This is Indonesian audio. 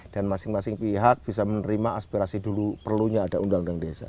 dan masing masing pihak bisa menerima aspirasi dulu perlunya ada undang undang desa